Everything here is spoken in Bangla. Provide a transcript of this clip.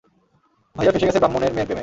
ভাইয়া ফেঁসে গেছে ব্রাহ্মণের মেয়ের প্রেমে!